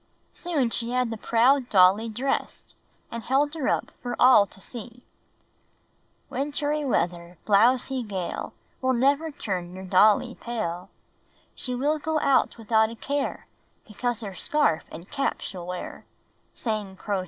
Soon she had the proud dolly dressed, and held her up for all to see. "Wintry weather, Blowsy gale, Will never turn Your dolly pale. She will go out Without a care, Because her scarf And cap she'll wear," Bang Crow Shay.